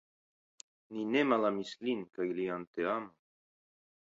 Ni ne malamis lin kaj lian teamon.